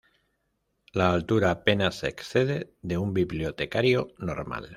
La altura apenas excede de un bibliotecario normal.